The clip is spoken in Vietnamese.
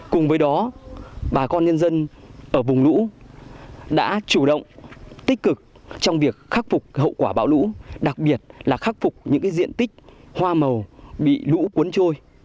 cùng với đó bà con nhân dân ở vùng lũ đã chủ động tích cực trong việc khắc phục hậu quả bão lũ đặc biệt là khắc phục những diện tích hoa màu bị lũ cuốn trôi